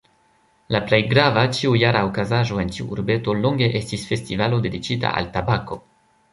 La plej grava, ĉiujara okazaĵo en tiu urbeto longe estis festivalo dediĉita al tabako.